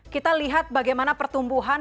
kita lihat bagaimana pertumbuhan